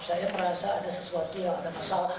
saya merasa ada sesuatu yang ada masalah